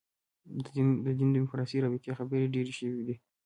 د دین دیموکراسي رابطې خبرې ډېرې شوې دي.